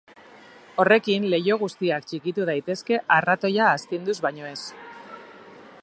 Horrekin, leiho guztiak txikitu daitezke arratoia astinduz baino ez.